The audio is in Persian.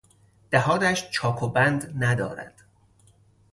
دهانش چاک و بند ندارد.